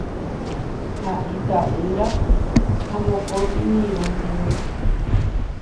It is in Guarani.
Oho ita'ýra ha mokõi iñirũ ndive.